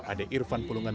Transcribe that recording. adek irfan dan jokowi